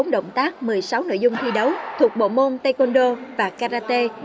bốn mươi bốn động tác một mươi sáu nội dung thi đấu thuộc bộ môn taekwondo và karate